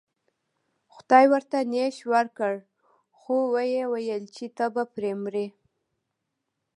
خدای ورته نیش ورکړ خو و یې ویل چې ته به پرې مرې.